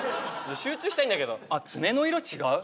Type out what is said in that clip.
集中したいんだけどあっ爪の色違う？